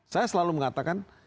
saya selalu mengatakan